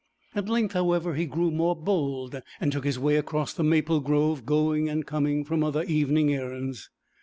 At length, however, he grew more bold, and took his way across the maple grove going and coming from other evening errands.